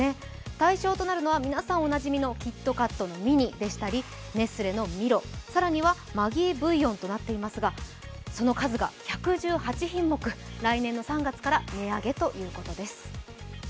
対象となるのは皆さんおなじみのキットカットミニでしたりネスレのミロ、更にはマギーブイヨンですがその数が１１８品目、来年３月から値上げということです。